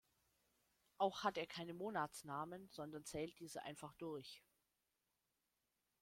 Auch hat er keine Monatsnamen, sondern zählt diese einfach durch.